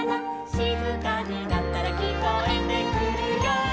「しずかになったらきこえてくるよ」